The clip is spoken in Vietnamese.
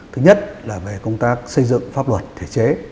thứ nhất là về công tác xây dựng pháp luật thể chế